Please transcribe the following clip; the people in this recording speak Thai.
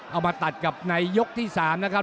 เอามาตัดกับในยกที่๓นะครับ